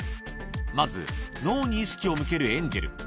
まず、ノーに意識を向けるエンジェル。